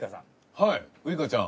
はいウイカちゃん。